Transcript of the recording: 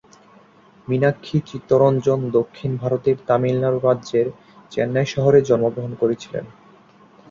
মীনাক্ষী চিত্তরঞ্জন দক্ষিণ ভারতের তামিলনাড়ু রাজ্যের চেন্নাই শহরে জন্মগ্রহণ করেছিলেন।